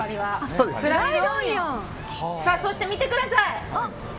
そして、見てください